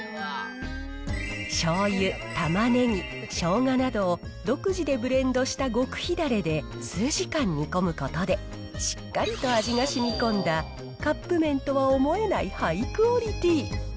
しょうゆ、たまねぎ、しょうがなどを独自でブレンドした極秘だれで数時間煮込むことで、しっかりと味がしみこんだ、カップ麺とは思えないハイクオリティー。